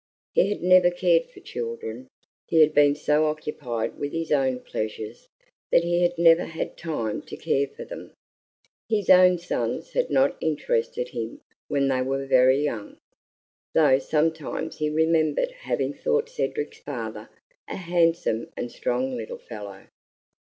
He had never cared for children; he had been so occupied with his own pleasures that he had never had time to care for them. His own sons had not interested him when they were very young though sometimes he remembered having thought Cedric's father a handsome and strong little fellow.